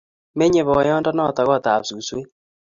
menyei boyonde noto kootab suswek.